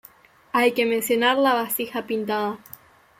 Hay que mencionar la vasija pintada.